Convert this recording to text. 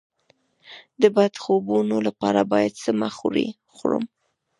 د بد خوبونو لپاره باید څه مه خورم؟